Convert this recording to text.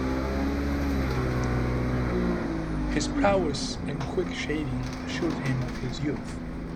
His prowess in quick shaving assured him of his youth.